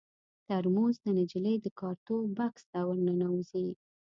ترموز د نجلۍ د کارتو بکس ته ور ننوځي.